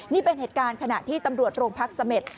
นี่เป็นเหตุการณ์ขณะที่ตำรวจโรงพักเสม็ด